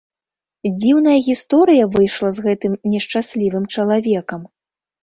Дзіўная гісторыя выйшла з гэтым нешчаслівым чалавекам.